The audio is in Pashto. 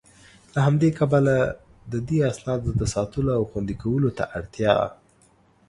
له همدي کبله د دې اسنادو د ساتلو او خوندي کولو ته اړتيا